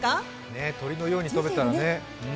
ね、鳥のように飛べたらね。